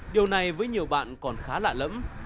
điều này với nhiều bạn còn khá lạ lẫm